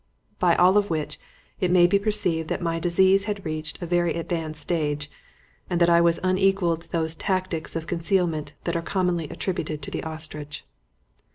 By all of which it may be perceived that my disease had reached a very advanced stage, and that I was unequal to those tactics of concealment that are commonly attributed to the ostrich.